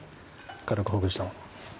軽くほぐしたもの。